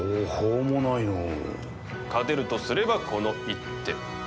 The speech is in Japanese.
勝てるとすればこの一手。